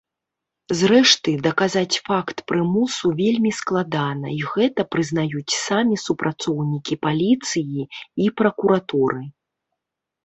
Зрэшты, даказаць факт прымусу вельмі складана, і гэта прызнаюць самі супрацоўнікі паліцыі і пракуратуры.